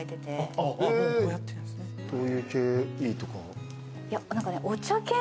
どういう系いいとか。